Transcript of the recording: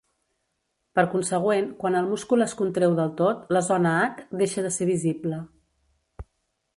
Per consegüent, quan el múscul es contreu del tot, la zona H deixa de ser visible.